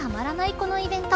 このイベント。